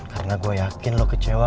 karena gue yakin lo kecewa